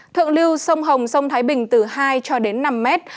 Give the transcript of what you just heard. thượng lưu sông hồng sông thái bình từ hai cho đến năm mét